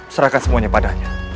serahkan semuanya padanya